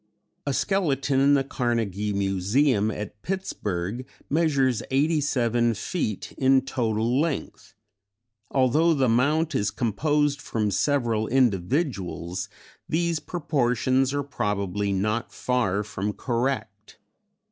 A skeleton in the Carnegie Museum at Pittsburgh measures 87 feet in total length; although the mount is composed from several individuals these proportions are probably not far from correct.